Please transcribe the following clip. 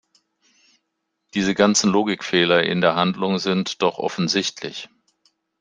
Diese ganzen Logikfehler in der Handlung sind doch offensichtlich!